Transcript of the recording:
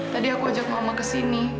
tadi aku ajak mama ke sini